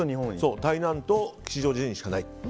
台南と吉祥寺にしかない。